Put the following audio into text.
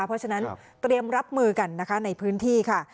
เพราะฉะนั้นเตรียมรับมือกันนะคะในพื้นที่ค่ะ